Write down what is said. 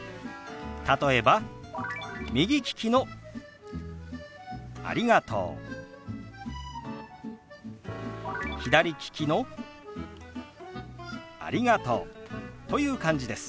例えば右利きの「ありがとう」左利きの「ありがとう」という感じです。